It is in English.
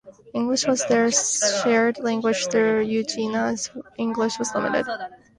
English was their shared language though Eugenia's English was limited.